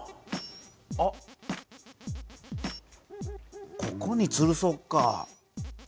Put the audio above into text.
あっここにつるそうか。